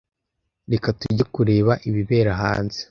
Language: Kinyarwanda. Reka tujye kureba ibibera hanze.